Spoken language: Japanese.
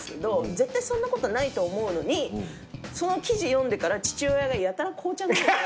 絶対そんなことないと思うのにその記事読んでから父親がやたら紅茶飲むように。